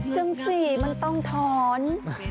จังสิมันต้องถอน